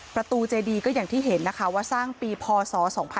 ประตูเจดีก็อย่างที่เห็นนะคะว่าสร้างปีพศ๒๕๖๒